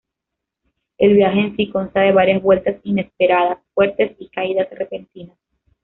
El viaje en sí consta de varias vueltas inesperadas fuertes y caídas repentinas.